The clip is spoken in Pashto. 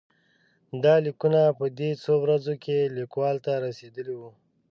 دا لیکونه په دې څو ورځو کې لیکوال ته رسېدلي وو.